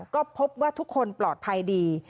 ก็พบว่าทุกคนปลอดภัยดี